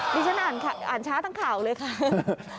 ดิฉันอ่านช้าทั้งข่าวเลยค่ะ